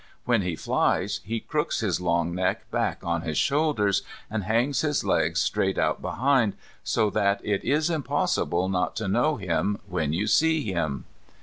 When he flies he crooks his long neck back on his shoulders and hangs his legs straight out behind, so that it is impossible not to know him when you see him.